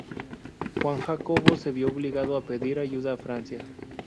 Juan Jacobo se vio obligado a pedir ayuda a Francia.